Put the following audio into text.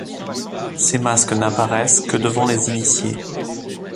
Ces masques n'apparaissent que devant les initiés.